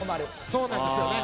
そうなんですよね。